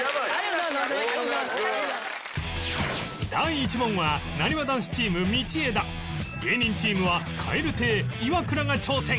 第１問はなにわ男子チーム道枝芸人チームは蛙亭イワクラが挑戦